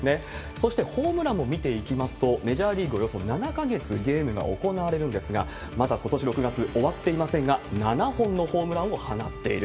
そして、ホームランも見ていきますと、メジャーリーグ、およそ７か月ゲームが行われるんですが、まだことし６月、終わっていませんが、７本のホームランを放っている。